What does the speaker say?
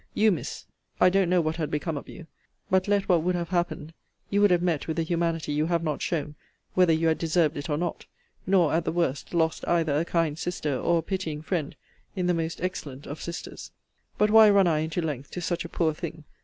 you, Miss I don't know what had become of you. But, let what would have happened, you would have met with the humanity you have not shown, whether you had deserved it or not: nor, at the worst, lost either a kind sister, or a pitying friend, in the most excellent of sisters. But why run I into length to such a poor thing?